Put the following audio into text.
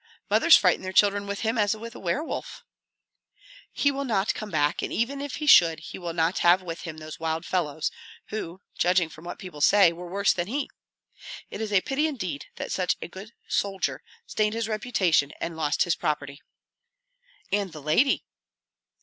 Mothers frighten their children with him as with a werewolf." "He will not come back, and even if he should he will not have with him those wild fellows, who, judging from what people say, were worse than he. It is a pity indeed that such a good soldier stained his reputation and lost his property." "And the lady."